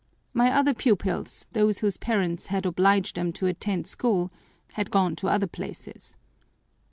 My other pupils, those whose parents had obliged them to attend school, had gone to other places.